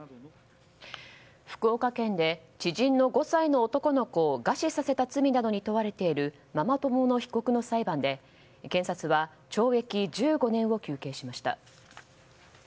福岡県で知人の５歳の男の子を餓死させた罪などに問われているママ友の被告の裁判で検察は懲役１５年を求刑しました。